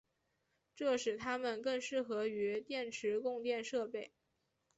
这使它们更适合于电池供电设备。